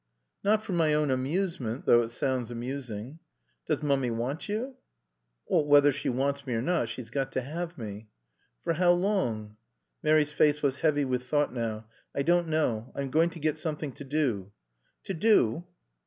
"Not for my own amusement, though it sounds amusing." "Does Mummy want you?" "Whether she wants me or not, she's got to have me." "For how long?" (Mary's face was heavy with thought now.) "I don't know. I'm going to get something to do." "To _do?